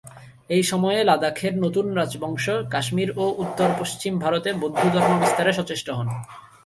এই সময়ে লাদাখের নতুন রাজবংশ কাশ্মীর ও উত্তর পশ্চিম ভারতে বৌদ্ধ ধর্ম বিস্তারে সচেষ্ট হন।